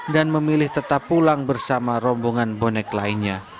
dan memilih tetap pulang bersama rombongan bonek lainnya